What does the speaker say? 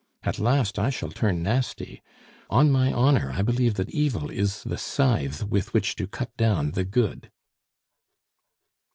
At last I shall turn nasty. On my honor, I believe that evil is the scythe with which to cut down the good."